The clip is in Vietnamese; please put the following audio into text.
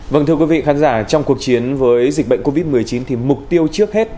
vâng thưa quý vị khán giả trong cuộc chiến với dịch bệnh covid một mươi chín thì mục tiêu trước hết